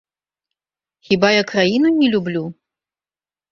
Хіба я краіну не люблю?